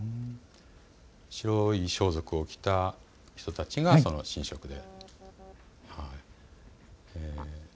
白い装束を着た人たちが神職ですね。